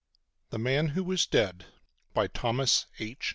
The Man Who Was Dead By Thomas H.